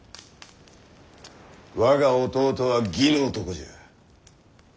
我が義弟は義の男じゃ。